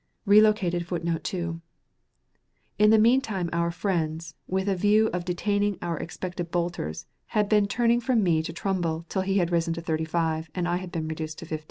] [Relocated Footnote (2): "In the meantime our friends, with a view of detaining our expected bolters, had been turning from me to Trumbull till he had risen to 35 and I had been reduced to 15.